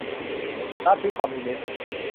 ลัทธิคอมมิวนิสต์